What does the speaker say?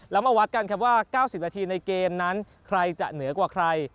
แล้วมาวัดกันครับว่า๙๐นาทีในเกมนั้นใครจะเหนือกว่าใคร